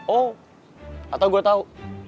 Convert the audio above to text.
oh atau gua tau